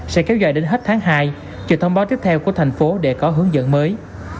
sẽ kéo dài đến hết tháng hai chờ thông báo tiếp theo của thành phố để có hướng dẫn mới